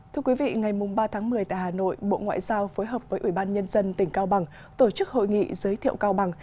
thưa quý vị ngày ba tháng một mươi tại hà nội bộ ngoại giao phối hợp với ủy ban nhân dân tỉnh cao bằng tổ chức hội nghị giới thiệu cao bằng